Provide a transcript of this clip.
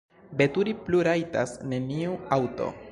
Veturi plu rajtas neniu aŭto.